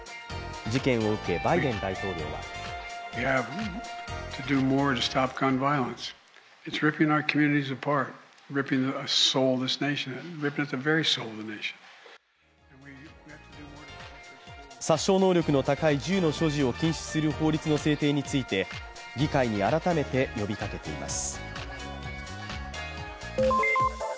事件を受け、バイデン大統領は殺傷能力の高い銃の所持を禁止する法律の制定について議会に改めて呼びかけています。